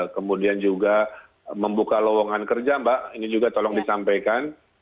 kemudian juga membuka lowongan kerja mbak ini juga tolong disampaikan